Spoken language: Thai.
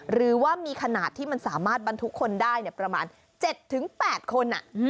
หรือว่ามีขนาดที่มันสามารถบรรทุกคนได้ประมาณ๗๘คน